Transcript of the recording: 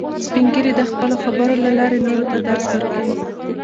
سپین ږیری د خپلو خبرو له لارې نورو ته درس ورکوي